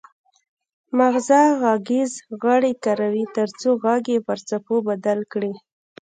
مغزه غږیز غړي کاروي ترڅو غږ پر څپو بدل کړي